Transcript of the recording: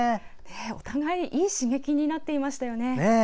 お互いにいい刺激になっていましたよね。